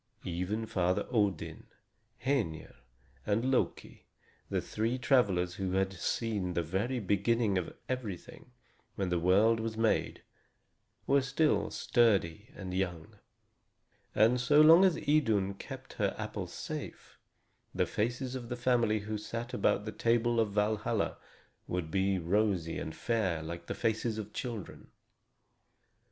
Even Father Odin, Hœnir, and Loki, the three travelers who had seen the very beginning of everything, when the world was made, were still sturdy and young. And so long as Idun kept her apples safe, the faces of the family who sat about the table of Valhalla would be rosy and fair like the faces of children.